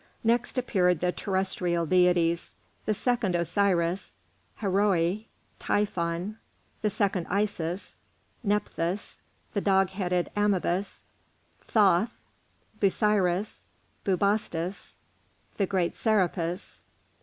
Next appeared the terrestrial deities: the second Osiris, Haroeri, Typhon, the second Isis, Nephthys, the dog headed Anubis, Thoth, Busiris, Bubastis, the great Serapis.